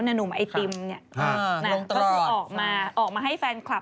นั่นหนุ่มไอติมเนี่ยน่ะก็คือออกมาให้แฟนคลับ